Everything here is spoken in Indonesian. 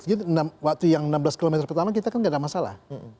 jadi waktu yang enam belas km pertama kita kan tidak ada masalah